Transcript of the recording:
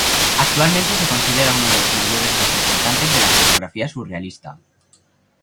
Actualmente se considera uno de los mayores representantes de la fotografía surrealista.